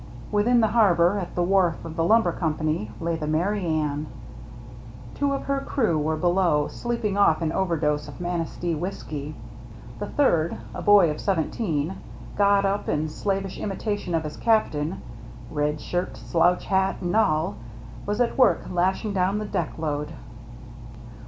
Within the harbor, at the wharf of the lumber company, lay the Merry Anne. Two of her crew were below, sleeping off an overdose of Manistee whiskey. The third, a boy of seventeen, got up in slavish imitation of his captain, — red shirt, slouch hat, and all, — was at work lashing down the deck load.